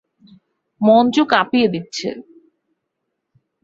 মঞ্চ কাঁপিয়ে দিচ্ছে।